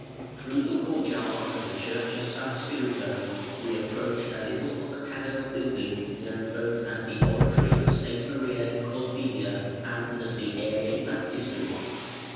Through the court yard of the Church of San Spirito, we approach a little octagonal building known both as the Oratory of S. Maria in Cosmedia and as the Arian Baptistery.